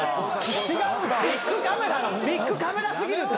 ビックカメラ過ぎるって